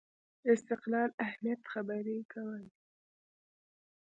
استقلال اهمیت خبرې کولې